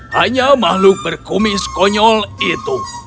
hanya makhluk berkumis konyol itu